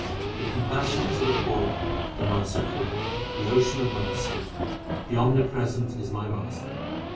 The Compassionate to the poor, the Merciful, the Ocean of mercy, the Omnipresent is my master.